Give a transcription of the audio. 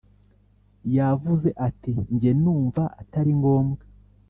Yavuze ati “jye numva atari ngombwa”